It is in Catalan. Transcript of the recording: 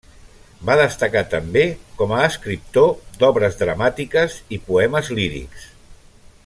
Va destacar, també, com a escriptor d'obres dramàtiques i poemes lírics.